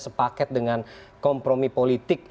sepaket dengan kompromi politik